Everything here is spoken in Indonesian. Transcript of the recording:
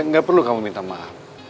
nggak perlu kamu minta maaf